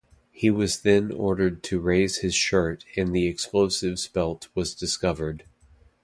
He was then ordered to raise his shirt and the explosives belt was discovered.